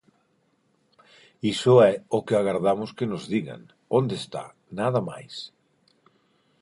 Iso é o que agardamos que nos digan, onde está, nada máis.